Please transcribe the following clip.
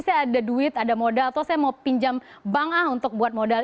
saya ada duit ada modal atau saya mau pinjam bank a untuk buat modal